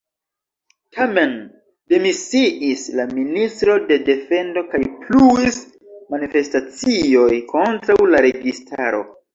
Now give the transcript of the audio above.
Tamen demisiis la Ministro de Defendo kaj pluis manifestacioj kontraŭ la registaro.